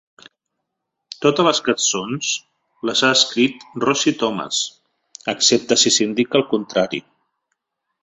Totes les cançons les ha escrit Rosie Thomas, excepte si s"indica el contrari.